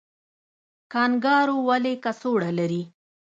کانګارو ولې کڅوړه لري؟